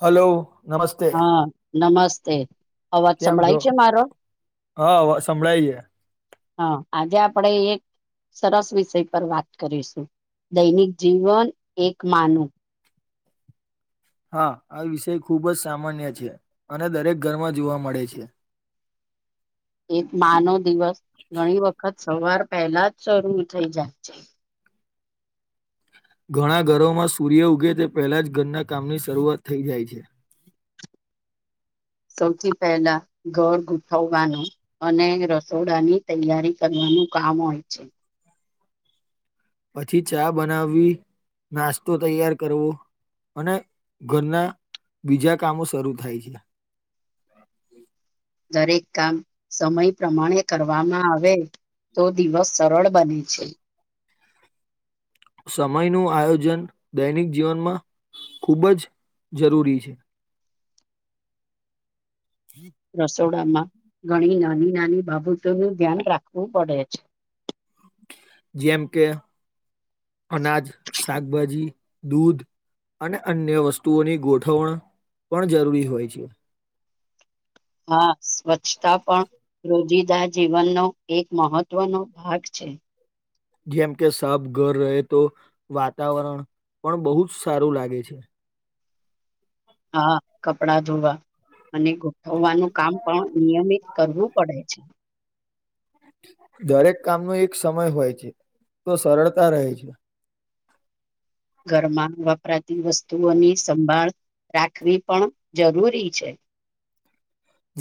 Hello નમસ્તે. હા નમસ્તે અવાજ કેમ છો સંભળાય છે મારો? હા હવ સંભળાયએ છે. હા આજે આપડે એક સરસ વિષય પર વાત કરીશું. દૈનિક જીવન એક માનું. હા આ વિષય ખુબ જ સામાન્ય છે. અને દરેક ઘરમાં જોવા મળે છે. એક મા નો દિવસ ઘણી વખત સવાર પેલા જ શરૂ થઇ જાય છે. ઘણા ઘરોમાં સૂર્ય ઉગે તે પહેલા જ ઘરના કામની શરૂઆત થઈ જાય છે. સૌથી પહેલા ઘર ગોઠવવાનું અને રસોડાની તૈયારી કરવાનું. નું કામ હોય છે. પછી ચા બનાવવી નાસ્તો તૈયાર કરવો. અને ઘરના બીજા કામો શરૂ થાય છે. [inaudible] દરેક કામ સમય પ્રમાણે કરવામાં આવે તો દિવસ સરળ બને છે. સમયનું આયોજન દૈનિક જીવનમાં ખૂબ જ જરૂરી છે. [inaudible] રસોડામાં ઘણી નાની-નાની બાબતોનું ધ્યાન રાખવું પડે છે. જેમ કે અનાજ, શાકભાજી, દૂધ. અને અન્ય વસ્તુઓની ગોઠવણ પણ જરૂરી હોય છે. હા. સ્વચ્છતા પણ રોજી દા જીવનનો એક મહત્વનો ભાગ છે. જેમ કે સાફ ઘર રહે તો વાતાવરણ પણ બહુ જ સારું લાગે છે. હા. કપડા ધોવા અને ગોઠવવાનું કામ પણ નિયમિત કરવું પડે છે. દરેક કામનો એક સમય હોય છે. તો સરળતા રહે છે. ઘરમાં વપરાતી વસ્તુઓની સંભાળ રાખવી પણ જરૂરી છે.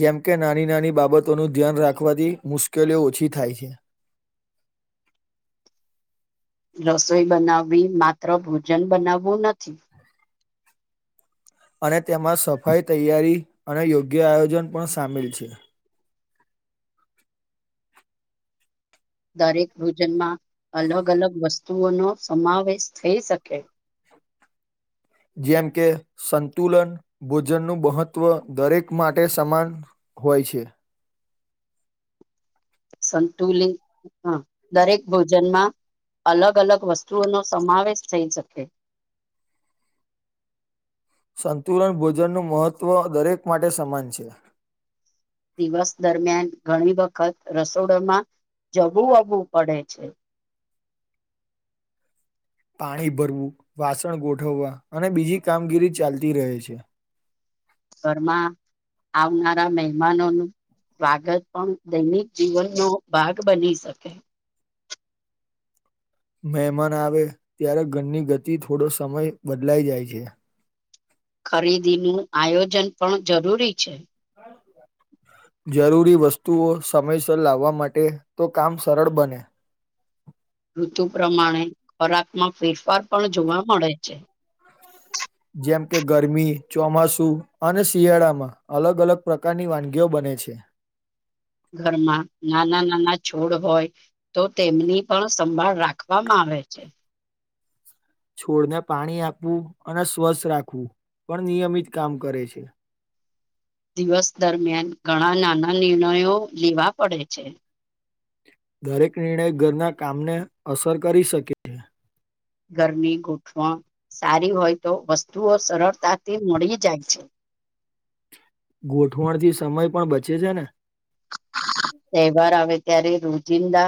જેમકે નાની-નાની બાબતોનું ધ્યાન રાખવાથી મુશ કેલીઓ ઓછી થાય છે. રસોઈ બનાવવી માત્ર ભોજન બનાવવું નથી અને તેમાં સફાઈ તૈયારી અને યોગ્ય આયોજન પણ સામેલ છે. દરેક ભોજનમાં અલગ-અલગ વસ્તુઓનો સમાવેશ થઈ શકે. [inaudible] જેમ કે સંતુલન ભોજનનું મહત્વ દરેક માટે સમાન હોય છે. સંતુલિત હા, દરેક ભોજનમાં અલગ-અલગ વસ્તુઓનો સમાવેશ થઈ શકે. [inaudible] સંતુલન ભોજનનું મહત્વ દરેક માટે સમાન છે. દિવસ દરમિયાન ઘણી વખત રસોડામાં જવું અવું પડે છે. પાણી ભરવું, વાસણ ગોઠવવા અને બીજી કામગીરી ચાલતી રહે છે. ઘરમાં આવનારા મહેમાનો નું સ્વાગત પણ દૈનિક જીવનનો ભાગ બની શકે મહેમાન આવે ત્યારે ઘરની ગતિ થોડો સમય બદલાઈ જાય છે. ખરીદી નું આયોજન પણ જરૂરી છે. [inaudible] જરૂરી વસ્તુઓ સમયસર લાવવા માટે તો કામ સરળ બને ઋતુ પ્રમાણે ખોરાકમાં ફેરફાર પણ જોવા મળે છે. જેમ કે ગરમી, ચોમાસુ અને શિયાળા માં અલગ અલગ પ્રકારની વાનગીઓ બને છે. [inaudible] ઘરમાં નાના નાના છોડ હોય તો તેમની પણ સંભાળ રાખવામાં આવે આવે છે. છોડને પાણી આપવું અને સ્વસ્ રાખવું. પણ નિયમિત કામ કરે છે. દિવસ દરમિયાન ઘણા નાના નિર્ણયો લેવા પડે છે. દરેક નિર્ણય ઘરના કામને અસર કરી શકે હે. ગરમી [unintelligible] સારી હોય તો વસ્તુઓ સરળતાથી મળી જાય છે ગોઠવણ થી સમય પણ બચે છે ને. તેહવાર આવે ત્યારે રોજિંદા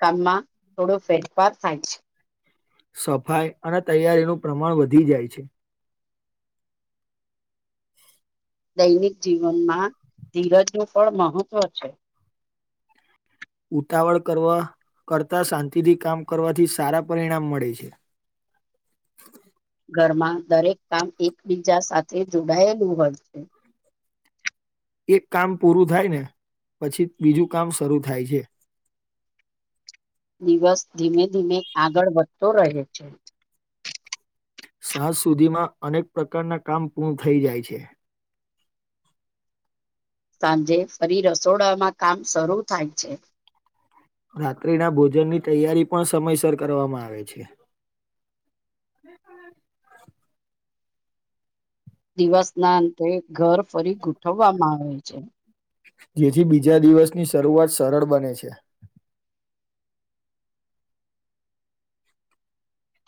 કામમાં થોડો ફેરફાર થાય છે. સફાઈ અને તૈયારીનું પ્રમાણ વધી જાય છે. દૈનિક જીવનમાં ધીરજનું ફળ મહત્વ છે. ઉતાવળ કરવા કરતા શાંતિથી કામ કરવાથી સારા પરિણામ મળે છે. [inaudible] ઘરમાં દરેક કામ એકબીજા સાથે જોડાયેલું હોય છે. એક કામ પૂરું થાય ને પછી બીજું કામ શરૂ થાય છે. દિવસ ધીમે ધીમે આગળ વધતો રહે છે. સાંજ સુધીમાં અનેક પ્રકારના કામ પૂર્ણ થઈ જાય છે. સાંજે ફરી રસોડામાં કામ શરૂ થાય છે. રાત્રિના ભોજનની તૈયારી પણ સમયસર કરવામાં આવે છે. [inaudible] દિવસના અંતે ઘર ફરી ગોઠવવામાં આવે છે. જેથી બીજા દિવસની શરૂઆત સરળ બને છે.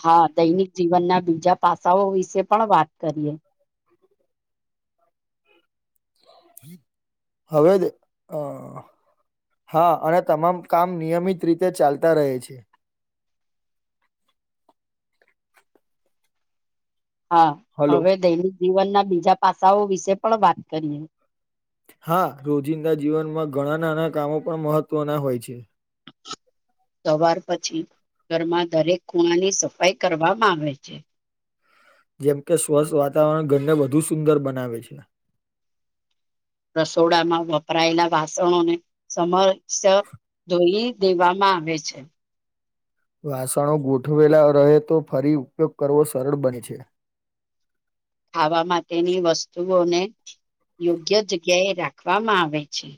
હા દૈનિક જીવનના બીજા પાસાઓ વિશે પણ વાત કરીએ. [inaudible] હવે અ હા અને તમામ કામ નિયમિત રીતે ચાલતા રહે છે. હા હલો હવે દૈનિક જીવનના બીજા પાસાઓ વિશે પણ વાત કરીએ. હા રોજિંદા જીવનમાં ઘણા નાના કામો પણ મહત્ત્વના હોય છે. [inaudible] સવાર પછી ઘરમાં દરેક ખૂણાની સફાઈ કરવામાં આવે છે. જેમ કે સ્વસ્થ વાતાવરણ ઘરને વધુ સુંદર બનાવે છે. રસોડામાં વપરાયેલા વાસણોને સમયસ ધોઈએ દેવામાં આવે છે. વાસણો ગોઠવેલા રહે તો ફરી ઉપયોગ કરવો સરળ બને છે. ખાવા માટેની વસ્તુઓને યોગ્ય જગ્યાએ રાખવામાં આવે છે.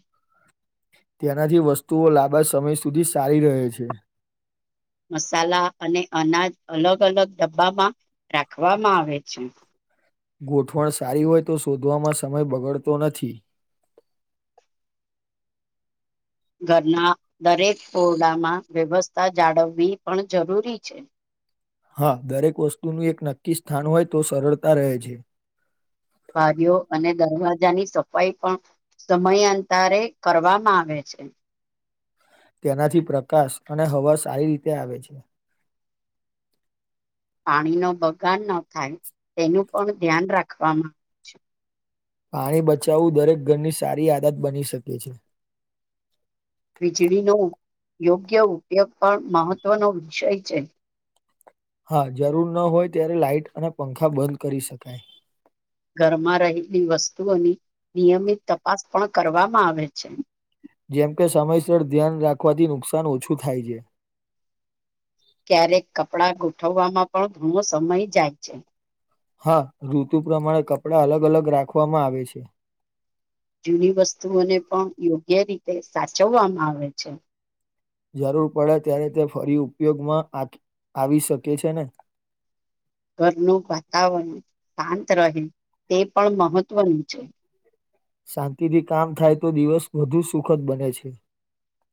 તેનાથી વસ્તુઓ લાંબા સમય સુધી સારી રહે છે. મસાલા અને અનાજ અલગ અલગ ડબ્બામાં રાખવામાં આવે છે. ગોઠવણ સારી હોય તો શોધવામાં સમય બગડતો નથી. ઘરના દરેક ઓરડામાં વ્યવસ્થા જાડવવી પણ જરૂરી છે. હા દરેક વસ્તુનું એક નક્કી સ્થાન હોય તો સરળતા રહે છે. બારીઓ અને દરવાજાની સફાઈ પણ સમયાંતરે કરવામાં આવે છે. તેનાથી પ્રકાશ અને હવા સારી રીતે આવે છે. પાણીનો બગાડ ન થાય તેનું પણ ધ્યાન રાખવામાં આવે છે. પાણી બચાવવું દરેક ઘરની સારી આદત બની શકે છે. વીજળીનો ઉ યોગ્ય ઉપયોગ પણ મહત્વનો વિષય છે. હા જરૂર ન હોય ત્યારે લાાઈટ અને પંખા બંધ કરી શકાય. ઘરમાં રહેલી વસ્તુઓની નિયમિત તપાસ પણ કરવામાં આવે છે. જેમ કે સમયસર ધ્યાન રાખવાથી નુકસાન ઓછું થાય છે. ક્યારેક કપડાં ગોઠવવામાં પણ ઘણો સમય જાય છે. હા ઋતુ પ્રમાણે કપડા અલગ અલગ રાખવામાં આવે છે. જૂની વસ્તુઓને પણ યોગ્ય રીતે સાચવવામાં આવે છે. જરૂર પડે ત્યારે તે ફરી ઉપયોગમાં આ આવી શકે છે ને. ઘરનું વાતાવરણ શાંત રહે તે પણ મહત્વનું છે. શાંતિથી કામ થાય તો દિવસ વધુ સુખદ બને છે.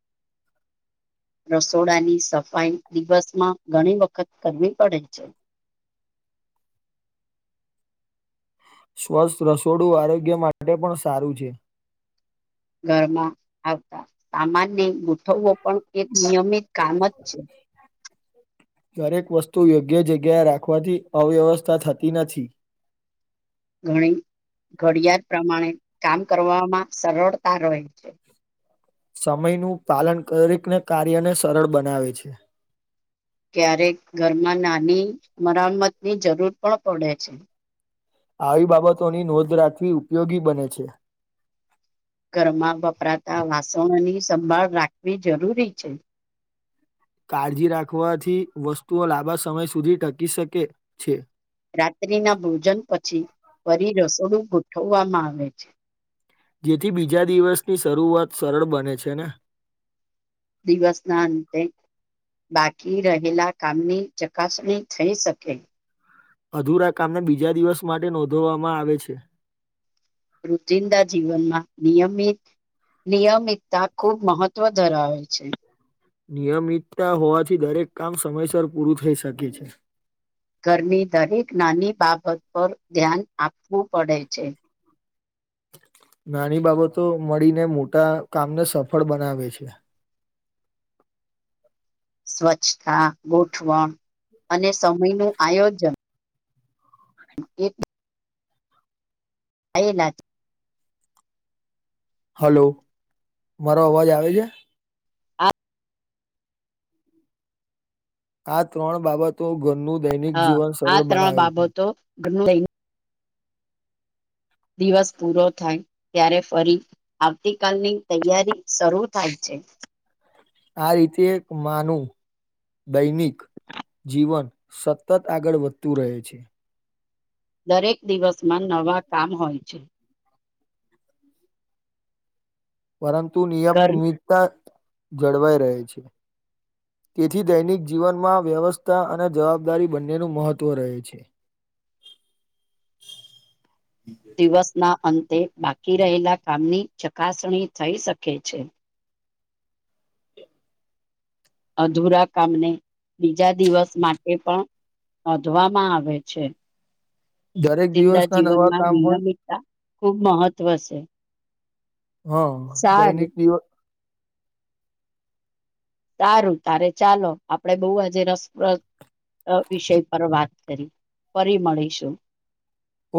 [inaudible] રસોડાની સફાઈ દિવસમાં ઘણી વખત કરવી પડે છે. [inaudible] સ્વસ્થ રસોડું આરોગ્ય માટે પણ સારું છે. ઘરમાં આવતા સામાન્ય ગુ થવો પણ એક નિયમિત કામ જ છે. દરેક વસ્તુ યોગ્ય જગ્યાએ રાખવાથી અવ્યવસ્થા થતી નથી. ઘણી ઘડિયાળ પ્રમાણે કામ કરવામાં સરળતા રહે છે. સમયનું પાલન કરી કને કાર્યને સરળ બનાવે છે. ક્યારેક ઘરમાં નાની મરમતની જરૂર પણ પડે છે. આવી બાબતોની નોંધ રાખવી ઉપયોગી બને છે. ઘરમાં વપરાતા વાસણોની સંભાળ રાખવી જરૂરી છે. કાળજી રાખવાથી વસ્તુઓ લાંબા સમય સુધી ટકી શકે છે. રાત્રિના ભોજન પછી ફરી રસોડું ગોઠવવામાં આવે છે. જેથી બીજા દિવસની શરૂઆત સરળ બને છે ને. દિવસ ના અંતે બાકી રહેલા કામની ચકાસણી થઈ શકે અધુરા કામને બીજા દિવસ માટે નોંધવામાં આવે છે રુતિંદા જીવનમાં નિયમિત નિયમિતતા ખૂબ મહત્ત્વ ધરાવે છે નિયમિતતા હોવાથી દરેક કામ સમયસર પૂરું થઈ શકે છે ઘરની દરેક નાની બાબત પર ધ્યાન આપવું પડે છે નાની બાબતો મળીને મોટા કામને સફળ બનાવે છે સ્વચ્છતા ગોઠવણ અને સમયનું આયોજન એક [unintelligible] હલો મારો અવાજ આવે છે આ ત્રણ બાબતો ઘરનું દૈનિક હા જીવન આ સરળ ત્રણ બનાવે છે બાબતો ઘરનું લઈને દિવસ પૂરો થાય ત્યારે ફરી આવતી કલની તૈયારી શરૂ થાય છે આ રીતે એક માં નું દૈનિક જીવન સતત આગળ વધતું રહે છે દરેક દિવસમાં નવા કામ હોય છે પરંતુ ઘર નિયમિતતા જળવાઈ રહે છે તેથી દૈનિક જીવનમાં વ્યવસ્થા અને જવાબદારી બંનેનું મહત્વ રહે છે [inaudible] તે બાકી રહેલા કામની ચકાસણી થઈ શકે છે અધુરા કામને બીજા દિવસ માટે પણ નોંધવામાં આવે છે દરેક ચિંદા દિવસના નવા જીવનમાં કામ હોય નિયમિતતા ખૂબ મહત્વ છે હા સારું દૈનિક દિવસ સારું તારે ચાલો આપડે બહુ આજે રસપ્રદ વિષય પર વાત કરી ફરી મળીશું.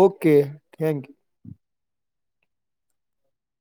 Okay thank you.